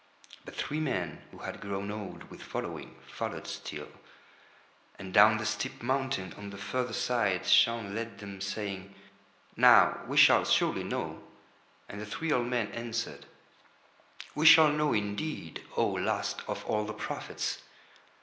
But three men who had grown old with following followed still. And down the steep mountain on the further side Shaun led them, saying: "Now we shall surely know." And the three old men answered: "We shall know indeed, O last of all the prophets."